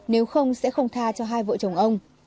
nếu không sẽ không tha cho hai vợ chồng ông